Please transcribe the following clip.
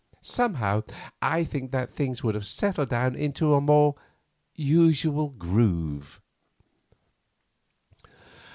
Somehow I think that things would have settled down into a more usual groove."